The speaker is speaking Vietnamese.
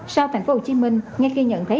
sau tp hcm ngay khi nhận thấy